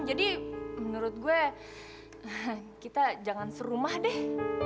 jadi menurut gue kita jangan serumah deh